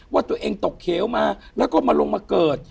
ว่าตัวเองตกเขียวมาแล้วก็มาลงมาเกิด